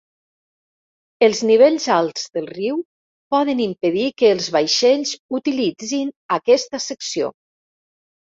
Els nivells alts del riu poden impedir que els vaixells utilitzin aquesta secció.